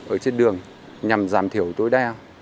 ở trên đường nhằm giảm thiểu tối đa